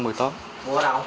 mua ở đâu